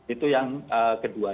itu yang kedua